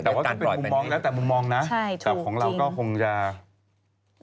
แต่มุมมองนะแต่ของเราก็คงจะ